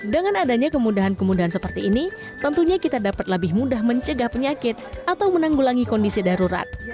dengan adanya kemudahan kemudahan seperti ini tentunya kita dapat lebih mudah mencegah penyakit atau menanggulangi kondisi darurat